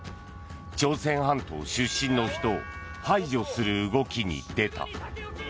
朝鮮半島出身の人を排除する動きに出た。